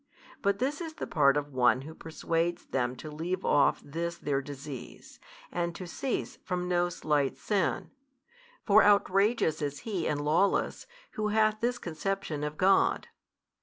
But this is the part of One Who |344 persuades them to leave off this their disease, and to cease from no slight sin. For outrageous is he and lawless, who hath this conception of God.